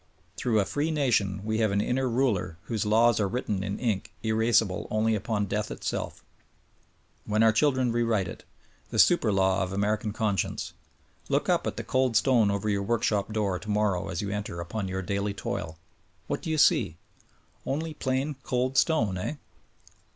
Through a free nation we have an inner ruler whose laws are written in ink erasible only upon death itself — ^when our children rewrite it : The super law of American conscience. Look up at the cold stone over your workshop door tomorrow as you enter upon your daily toil. What do you see? Only plain, cold stone, eh?